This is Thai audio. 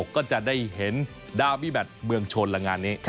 ก็จะได้เห็นดาวีแมทเมืองชนละงานนี้